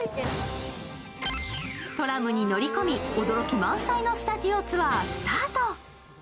トラムに乗り込み、驚き満載のスタジオツアースタート。